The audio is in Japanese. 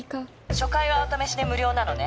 初回はお試しで無料なのね